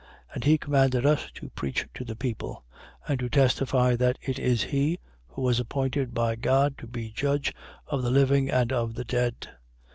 10:42. And he commanded us to preach to the people and to testify that it is he who was appointed by God to be judge of the living and of the dead.